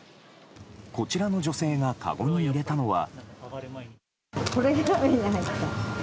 こちらの女性がかごに入れたのは。